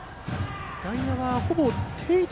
外野はほぼ定位置。